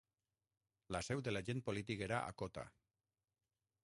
La seu de l'agent polític era a Kota.